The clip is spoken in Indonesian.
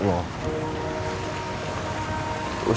usus goreng mau pergi sekarang